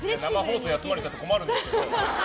生放送休まれちゃうと困るんですけど。